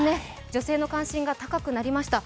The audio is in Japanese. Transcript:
女性の関心が高くなりました。